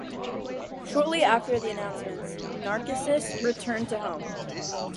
Shortly after the announcement Narcissus returned to Rome.